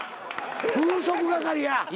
風速係や。